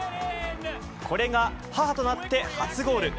これが母となって初ゴール。